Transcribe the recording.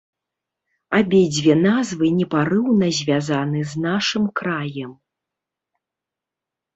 Абедзве назвы непарыўна звязаны з нашым краем.